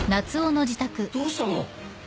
どうしたの？